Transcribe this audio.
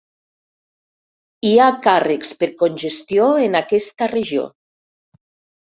Hi ha càrrecs per congestió en aquesta regió.